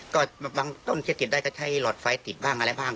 ก็บางต้นจะติดได้ก็ใช้หลอดไฟติดบ้างอะไรบ้าง